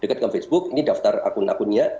dekatkan facebook ini daftar akun akunnya